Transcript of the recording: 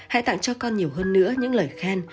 hãy tặng cho con nhiều hơn nữa những lời khen